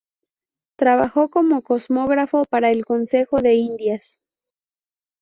Trabajó como cosmógrafo para el Consejo de Indias.